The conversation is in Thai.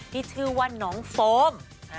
ที่ชื่อว่าน้องโฟม